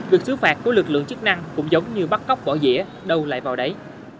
việc xứ phạt của lực lượng chức năng cũng giống như bắt cóc bỏ dĩa đâu lại vào đấy